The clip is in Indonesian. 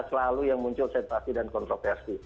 selalu yang muncul sensasi dan kontroversi